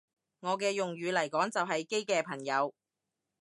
我嘅用語嚟講就係基嘅朋友